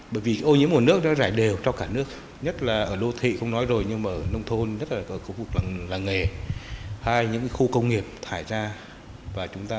bởi vì ô nhiễm nguồn nước đã rải đều trong cả nước nhất là ở đô thị không nói rồi nhưng mà ở nông thôn rất là cực